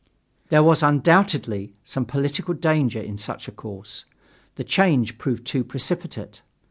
There was undoubtedly some political danger in such a course. The change proved too precipitate.